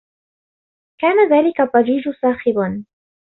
كان ذلك الضّجيج صاخبا.